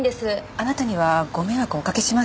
あなたにはご迷惑をおかけしませんので。